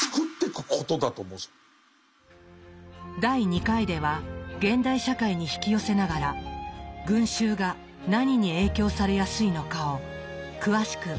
第２回では現代社会に引き寄せながら群衆が何に影響されやすいのかを詳しく読み解いていきます。